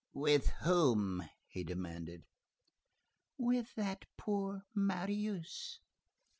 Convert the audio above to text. "With whom?" he demanded. "With that poor Marius."